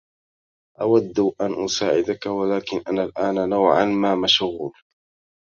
أود أن أساعدك ولكن أنا الآن نوعآ ما مشغول.